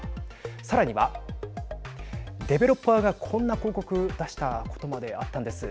さらにはデベロッパーがこんな広告出したことまであったんです。